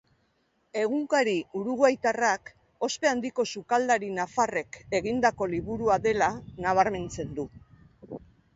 Egunkari uruguaitarrak ospe handiko sukaldari nafarrek egindako liburua dela nabarmentzen du.